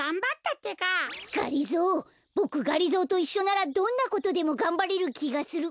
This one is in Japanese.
がりぞーボクがりぞーといっしょならどんなことでもがんばれるきがする。